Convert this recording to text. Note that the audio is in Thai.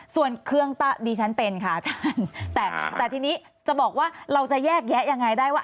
ส่วนเครื่องดิฉันเป็นค่ะอาจารย์แต่ทีนี้จะบอกว่าเราจะแยกแยะยังไงได้ว่า